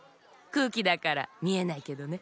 くうきだからみえないけどね。